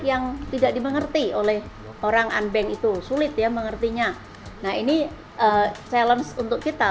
yang tidak dimengerti oleh orang unbank itu sulit ya mengertinya nah ini challenge untuk kita